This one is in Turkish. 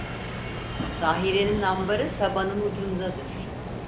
Zahirenin ambarı sabanın ucundadır.